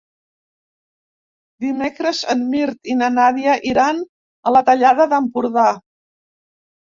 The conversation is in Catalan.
Dimecres en Mirt i na Nàdia iran a la Tallada d'Empordà.